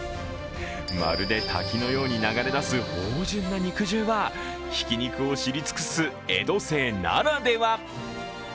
まるで滝のように流れ出す芳醇な肉汁は、ひき肉を知り尽くす江戸清ならでは。